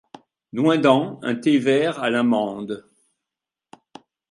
noindent Un thé vert à l'amande.